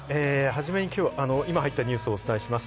今、入ったニュースをまずお伝えします。